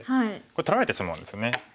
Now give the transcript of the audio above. これ取られてしまうんですよね。